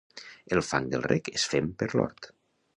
El fang del rec és fem per l'hort.